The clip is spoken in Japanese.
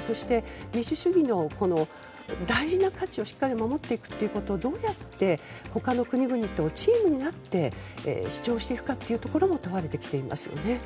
そして、民主主義の大事な価値をしっかり守っていくということをどうやって他の国々とチームになって主張していくかというところも問われてきていますよね。